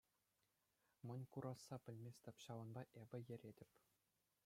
Мӗн курасса пӗлместӗп, ҫавӑнпа эпӗ йӗретӗп.